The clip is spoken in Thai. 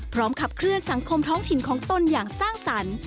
ขับเคลื่อนสังคมท้องถิ่นของตนอย่างสร้างสรรค์